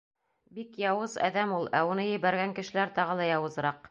Бик яуыз әҙәм ул, ә уны ебәргән кешеләр тағы ла яуызыраҡ.